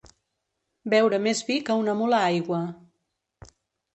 Beure més vi que una mula aigua.